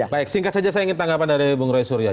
baik singkat saja saya ingin tanggapan dari bung roy surya